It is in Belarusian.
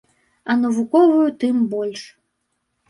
А навуковую тым больш.